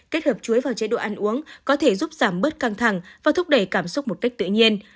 kết hợp chuối vào chế độ ăn uống có thể giúp giảm bớt căng thẳng và thúc đẩy cảm xúc một cách tự nhiên